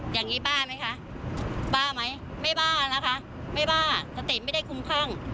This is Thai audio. อย่างนี้บ้าไหมคะบ้าไหมไม่บ้านะคะไม่บ้าสติไม่ได้คุ้มครั่ง